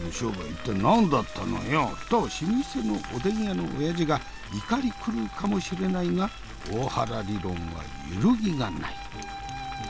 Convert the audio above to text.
一体何だったのよ？」と老舗のおでん屋のオヤジが怒り狂うかもしれないが大原理論は揺るぎがない。